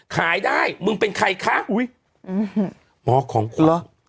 ขายได้มึงเป็นใครคะอุ้ยหมอของคุณเหรอ